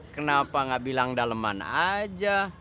kenapa gak bilang daleman aja